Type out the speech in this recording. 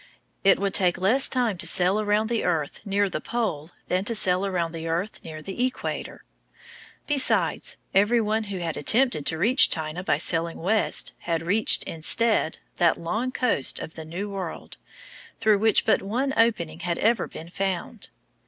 It would take less time to sail around the earth near the pole than to sail around the earth near the equator. Besides, every one who had attempted to reach China by sailing west had reached, instead, that long coast of the New World, through which but one opening had ever been found.